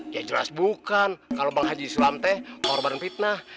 ya jelas bukan kalau bang haji sulamteh korban fitnah